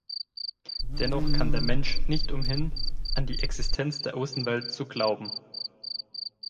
Dennoch kann der Mensch nicht umhin, an die Existenz der Außenwelt zu glauben.